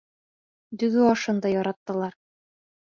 Дөгө ашын да яраттылар.